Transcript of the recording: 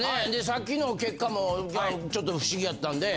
さっきの結果もちょっと不思議やったんで。